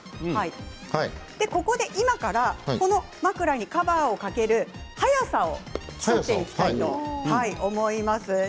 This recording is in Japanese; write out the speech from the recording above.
ここで今からこの枕にカバーをかける速さを競っていきたいと思います。